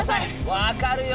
分かるよ